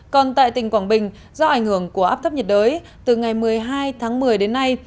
còn tại tỉnh quảng bình do ảnh hưởng của áp thấp nhiệt đới từ ngày một mươi hai tháng một mươi đến nay